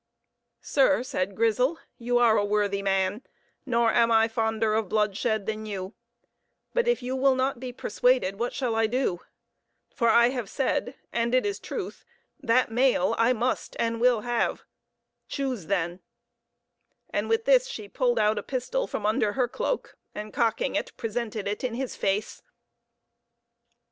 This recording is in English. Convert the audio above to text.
"Sir," said Grizel, "you are a worthy man; nor am I fonder of bloodshed than you; but if you will not be persuaded, what shall I do? For I have said and it is truth that mail I must and will have. Choose, then;" and with this she pulled out a pistol from under her cloak, and, cocking it, presented it in his face.